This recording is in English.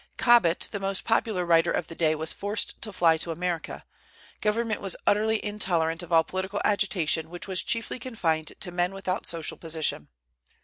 Cobbett, the most popular writer of the day, was forced to fly to America. Government was utterly intolerant of all political agitation, which was chiefly confined to men without social position.